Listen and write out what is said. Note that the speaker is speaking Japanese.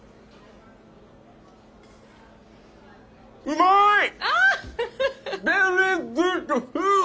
うまい！